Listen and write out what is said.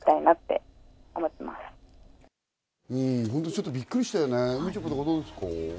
ちょっとびっくりしたよね。